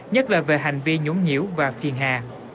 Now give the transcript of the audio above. nhất là về hành vi nhũng nhiễu và phiền hà